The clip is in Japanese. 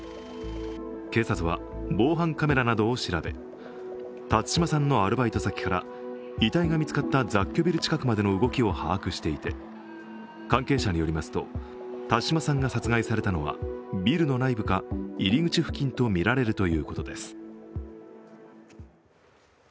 警察は防犯カメラなどを調べ辰島さんのアルバイト先から遺体が見つかった雑居ビル近くまでの動きを把握していて関係者によりますと、辰島さんが殺害されたのはビルの内部か入り口付近とみられるということです。